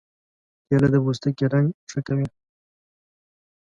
کېله د پوستکي رنګ ښه کوي.